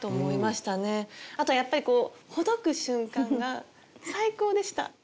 あとやっぱりこうほどく瞬間が最高でした！